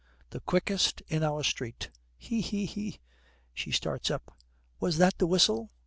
'The quickest in our street. He! he! he!' She starts up. 'Was that the whistle?'